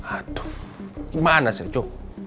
aduh gimana sih jo